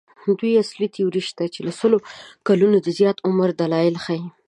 دوې اصلي تیورۍ شته چې له سلو کلونو د زیات عمر دلایل ښيي.